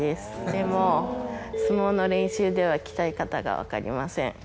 でも相撲の練習では鍛え方が分かりません。